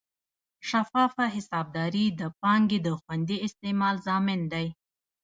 شفافه حسابداري د پانګې د خوندي استعمال ضامن ده.